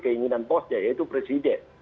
keinginan posnya yaitu presiden